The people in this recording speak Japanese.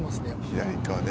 左側ね